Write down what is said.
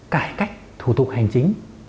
cải cách thủ tục hành chính